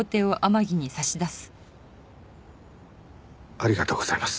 ありがとうございます。